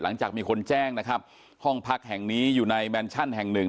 หลังจากมีคนแจ้งนะครับห้องพักแห่งนี้อยู่ในแมนชั่นแห่งหนึ่ง